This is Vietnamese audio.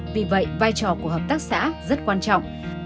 vì vậy vai trò của hợp tác xã rất quan trọng